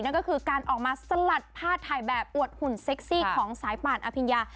นั่นก็คือการออกมาสลัดผ้าถ่ายแบบอวดหุ่นเซ็กซี่ของสายป่านอภิญญา